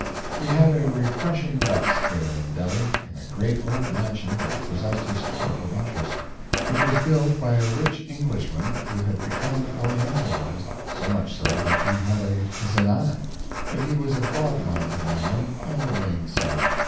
We had a refreshing rest, there in Delhi, in a great old mansion which possessed historical interest. It was built by a rich Englishman who had become orientalized so much so that he had a zenana. But he was a broadminded man, and remained so.